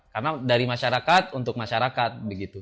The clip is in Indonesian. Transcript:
karena dari masyarakat untuk masyarakat